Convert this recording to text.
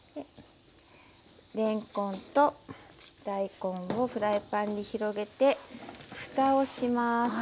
れんこんと大根をフライパンに広げてふたをします。